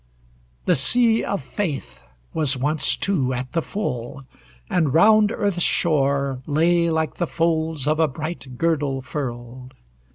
The sea of faith Was once, too, at the full, and round earth's shore Lay like the folds of a bright girdle furled.